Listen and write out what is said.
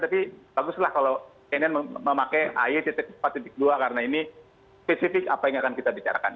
tapi baguslah kalau cnn memakai ay empat dua karena ini spesifik apa yang akan kita bicarakan